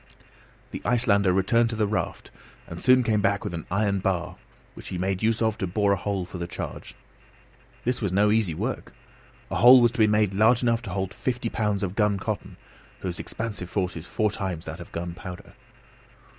The Icelander returned to the raft and soon came back with an iron bar which he made use of to bore a hole for the charge. This was no easy work. A hole was to be made large enough to hold fifty pounds of guncotton, whose expansive force is four times that of gunpowder.